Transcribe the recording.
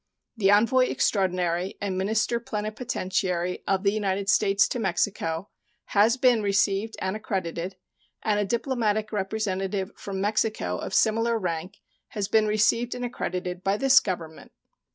The envoy extraordinary and minister plenipotentiary of the United States to Mexico has been received and accredited, and a diplomatic representative from Mexico of similar rank has been received and accredited by this Government.